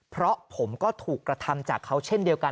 เพราะผมก็ถูกกระทำจากเขาเช่นเดียวกัน